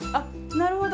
なるほど。